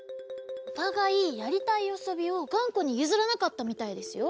おたがいやりたいあそびをがんこにゆずらなかったみたいですよ。